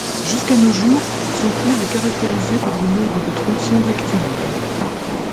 Jusqu'à nos jours, son cours est caractérisé par le nombre de tronçons rectilignes.